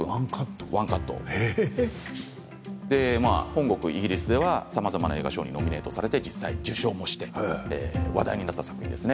本国イギリスではさまざまな映画賞にノミネートされて実際に受賞もして話題になった作品です。